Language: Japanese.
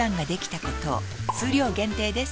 数量限定です